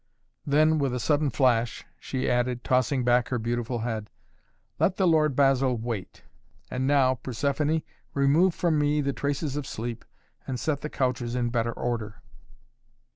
Then, with a sudden flash, she added, tossing back her beautiful head: "Let the Lord Basil wait! And now, Persephoné, remove from me the traces of sleep and set the couches in better order."